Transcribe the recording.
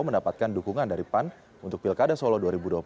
mendapatkan dukungan dari pan untuk pilkada solo dua ribu dua puluh